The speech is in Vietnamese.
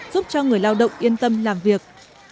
giúp cho người lao động yên tâm làm việc